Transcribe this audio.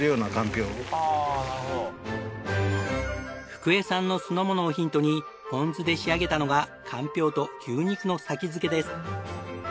フクエさんの酢の物をヒントにポン酢で仕上げたのがかんぴょうと牛肉の先付けです。